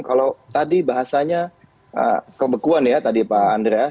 kalau tadi bahasanya kebekuan ya tadi pak andreas